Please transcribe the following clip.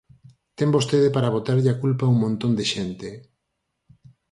Ten vostede para botarlle a culpa un montón de xente.